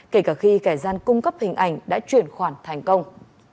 kể cả khi kẻ gian cung cấp hình ảnh đã chuyển khoản thành công